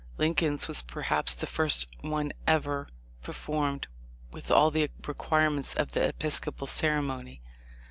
Lincoln's was perhaps the first one ever performed with all the requirements of the Episcopal ceremony.